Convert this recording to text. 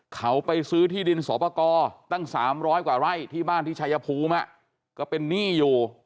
เขาไปซื้อที่ดินสอปกรตั้ง๓๐๐กว่าไร่ที่บ้านที่ชายภูมิก็เป็นหนี้อยู่